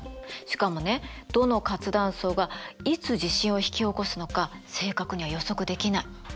しかもねどの活断層がいつ地震を引き起こすのか正確には予測できない。